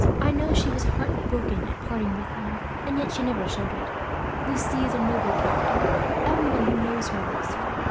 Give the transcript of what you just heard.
I know she was heartbroken at parting with him, and yet she never showed it. "Lucie is a noble character. Everyone who knows her loves her.